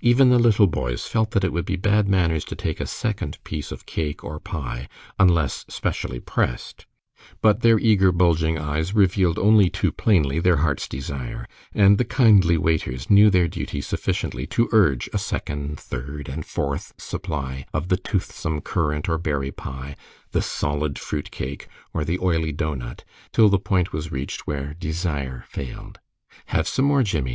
Even the little boys felt that it would be bad manners to take a second piece of cake or pie unless specially pressed; but their eager, bulging eyes revealed only too plainly their heart's desire, and the kindly waiters knew their duty sufficiently to urge a second, third, and fourth supply of the toothsome currant or berry pie, the solid fruit cake, or the oily doughnut, till the point was reached where desire failed. "Have some more, Jimmie.